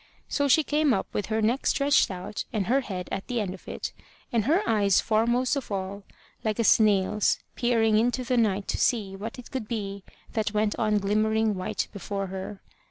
So she came up with her neck stretched out, and her head at the end of it, and her eyes foremost of all, like a snail's, peering into the night to see what it could be that went on glimmering white before her.